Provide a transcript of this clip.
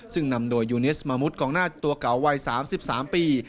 ซึ่งนำโดยยูเนสมามุดกองหน้าตัวเก่าวัย๓๓ปี